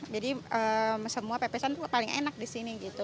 jadi semua pepesan paling enak di sini